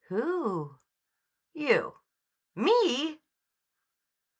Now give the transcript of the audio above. "Who?" "You." "Me!"